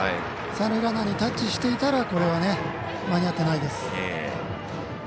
三塁ランナーにタッチしていたらこれは間に合ってないです。